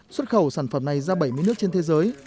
xuất khẩu sản phẩm này ra bảy mươi nước trên thế giới